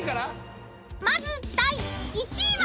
［まず第１位は？］